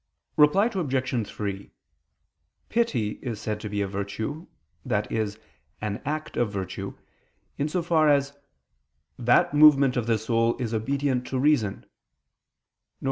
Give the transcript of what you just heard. Reply Obj. 3: Pity is said to be a virtue, i.e. an act of virtue, in so far as "that movement of the soul is obedient to reason"; viz.